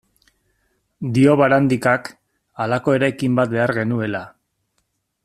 Dio Barandikak, halako eraikin bat behar genuela.